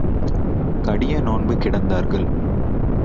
கடிய நோன்பு கிடந்தார்கள்.